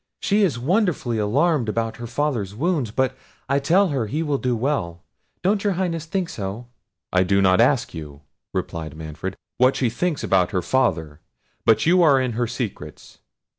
she is wonderfully alarmed about her father's wounds; but I tell her he will do well; don't your Highness think so?" "I do not ask you," replied Manfred, "what she thinks about her father; but you are in her secrets.